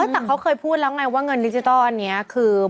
แต่เขาเคยพูดแล้วไงว่าเงินดิจิทัลอันนี้คือ